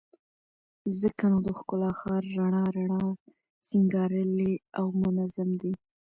ځکه نو د ښکلا ښار رڼا رڼا، سينګارلى او منظم دى